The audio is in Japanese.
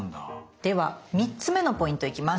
では３つ目のポイント行きます。